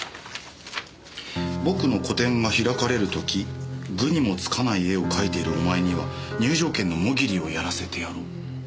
「僕の個展が開かれるとき愚にもつかない絵を描いているお前には入場券のモギリをやらせてやろう」。